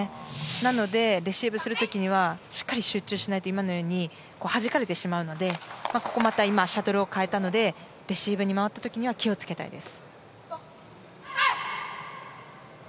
なので、レシーブする時にはしっかり集中しないと今のようにはじかれてしまうのでシャトルをまた変えたのでレシーブに回った時には気をつけたいです。